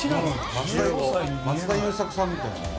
「松田優作さんみたいな」